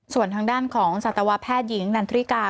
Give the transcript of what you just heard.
ส่วนทางด้านของสัตวแพทย์หญิงนันทริกา